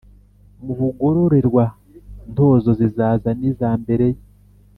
mu bugororerwa-ntozo, zizaza n’iza mbere ye,